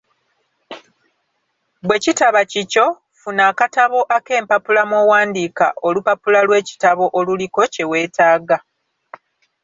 Bwe kitaba kikyo, funa akatabo ak'empapula mw'owandika olupapula lw'ekitabo oluliko kye weetaaga.